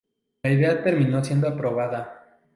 La idea terminó siendo aprobada.